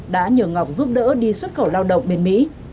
đã nhờ ngọc giúp đỡ đi xuất khẩu lao động bên mỹ